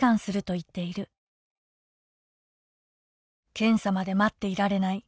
「『検査迄まっていられない。